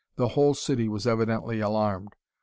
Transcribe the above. The whole city was evidently alarmed.